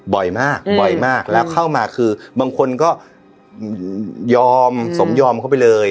บ่อยมากบ่อยมากแล้วเข้ามาคือบางคนก็ยอมสมยอมเข้าไปเลย